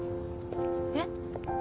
えっ？